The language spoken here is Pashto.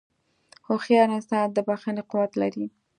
هوښیار انسان د بښنې قوت لري.